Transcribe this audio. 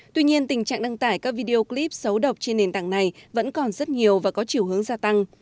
tuy nhiên tình trạng đăng tải các video clip xấu độc trên nền tảng này vẫn còn rất nhiều và có chiều hướng gia tăng